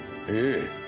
ええ。